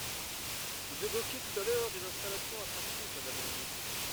Vous évoquiez tout à l’heure des installations « attractives », madame la ministre.